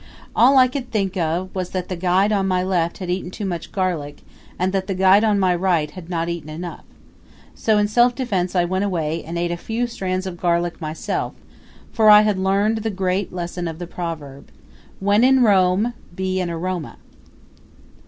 All I could think of was that the guide on my left had eaten too much garlic and that the guide on my right had not eaten enough. So in self defense I went away and ate a few strands of garlic myself; for I had learned the great lesson of the proverb: When in Rome be an aroma!